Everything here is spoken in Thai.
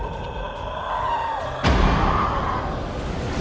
โอ้โเร่